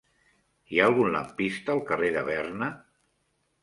Hi ha algun lampista al carrer de Berna?